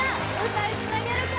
歌いつなげるか？